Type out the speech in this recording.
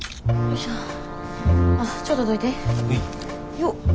よっ。